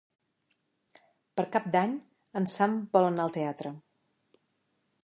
Per Cap d'Any en Sam vol anar al teatre.